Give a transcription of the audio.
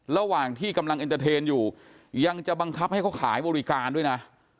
ระหว่างที่กำลังเอ็นเตอร์เทนอยู่ยังจะบังคับให้เขาขายบริการด้วยนะ